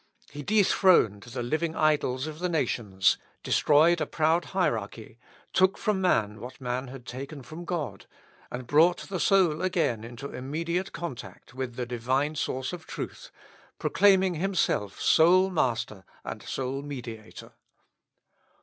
He dethroned the living idols of the nations, destroyed a proud hierarchy, took from man what man had taken from God, and brought the soul again into immediate contact with the divine source of truth, proclaiming himself sole Master and sole Mediator.